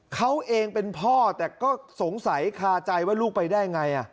เขาเองเป็นพ่อแต่ก็สงสัยคาใจว่าลูกไปได้ไง